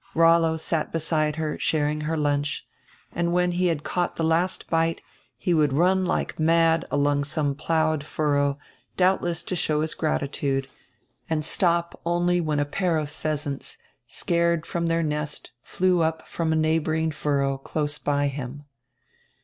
Rollo sat beside her, sharing her lunch, and when he had caught die last bite, he would run like mad along some plowed furrow, doubdess to show his gratitude, and stop only when a pair of pheasants scared from dieir nest flew up from a neighboring furrow close by him.